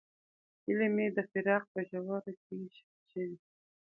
هیلې مې د فراق په ژوره کې ښخې شوې.